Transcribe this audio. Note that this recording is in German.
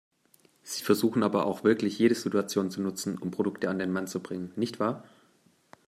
Sie versuchen aber auch wirklich jede Situation zu nutzen, um Produkte an den Mann zu bringen, nicht wahr?